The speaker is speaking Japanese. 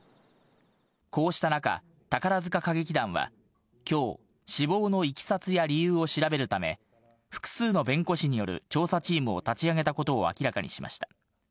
こうした中、宝塚歌劇団はきょう、死亡のいきさつや理由を調べるため、複数の弁護士による調査チームを立ち上げたことを明らかにしました。